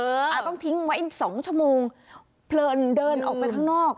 ต้องทิ้งไว้อีก๒ชั่วโมงเพลินเดินออกไปข้างนอก